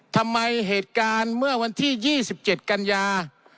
ทำไมเหตุการณ์เมื่อวันที่๒๗กันยา